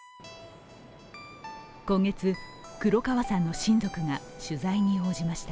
今月、黒川さんの親族が取材に応じました。